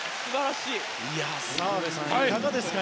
澤部さん、いかがですか。